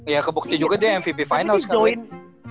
ya kebukti juga dia mvp final sekali